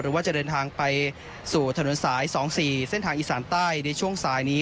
ว่าจะเดินทางไปสู่ถนนสาย๒๔เส้นทางอีสานใต้ในช่วงสายนี้